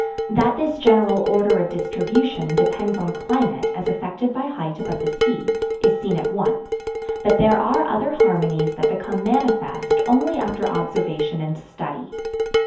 That this general order of distribution depends on climate as affected by height above the sea, is seen at once, but there are other harmonies that become manifest only after observation and study.